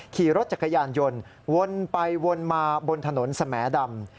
ขี่รถจักรยานยนต์วนไปวนมาบนถนนสแหมดำ